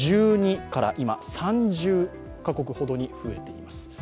１２から今３０カ国ほどに増えています。